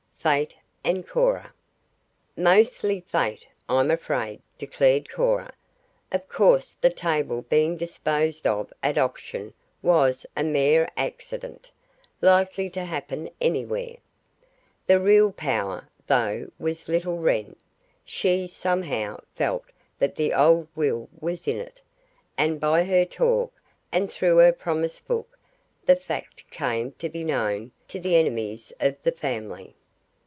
"Fate and Cora." "Mostly fate, I'm afraid," declared Cora. "Of course the table being disposed of at auction was a mere accident, likely to happen anywhere. The real power, though, was little Wren. She, somehow, felt that the old will was in it, and by her talk, and through her promise book, the fact came to be known to the enemies of the family.